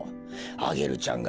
アゲルちゃんが！